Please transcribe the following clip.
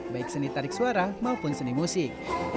baik seni tarik suara maupun seni musik